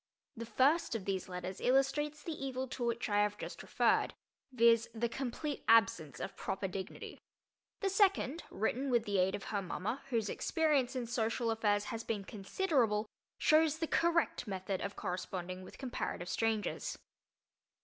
The first of these letters illustrates the evil to which I have just referred, viz., the complete absence of proper dignity. The second, written with the aid of her mama, whose experience in social affairs has been considerable, shows the correct method of corresponding with comparative strangers.